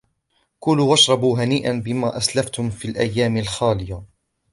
كُلُوا وَاشْرَبُوا هَنِيئًا بِمَا أَسْلَفْتُمْ فِي الْأَيَّامِ الْخَالِيَةِ